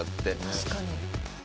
確かに。